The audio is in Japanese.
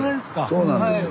そうなんですよ。